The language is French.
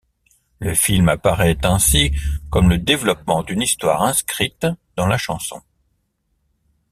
Le film apparaît ainsi comme le développement d'une histoire inscrite dans la chanson.